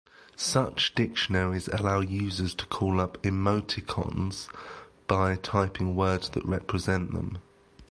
Such dictionaries allow users to call up emoticons by typing words that represent them.